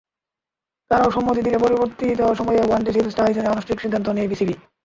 তারাও সম্মতি দিলে পরিবর্তিত সময়ে ওয়ানডে সিরিজটা আয়োজনের আনুষ্ঠানিক সিদ্ধান্ত নেয় বিসিবি।